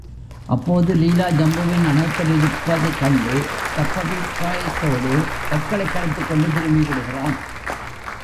அப்போது லீலா ஜம்புவின் அணைப்பில் இருப்பதைக் கண்டு தப்பபிப்ராயத்தோடு பற்களைக் கடித்துக்கொண்டு திரும்பி விடுகிறான்.